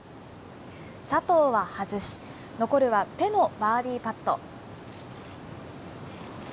佐藤は外し、残るはペのバーディーパット。